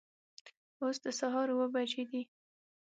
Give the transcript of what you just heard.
اوس د سهار اوه بجې دي